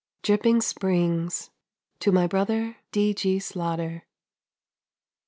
Dripping Springs. TO MY BROTHER D. G. SLAUGHTER.